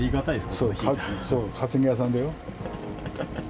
そう、稼ぎ屋さんだよ。